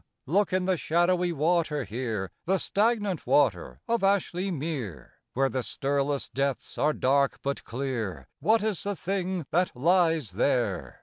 look in the shadowy water here, The stagnant water of Ashly Mere: Where the stirless depths are dark but clear, What is the thing that lies there?